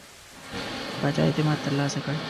د پاچا اعتماد ترلاسه کړ.